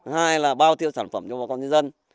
hai là bao tiêu sản phẩm cho bà con nhân dân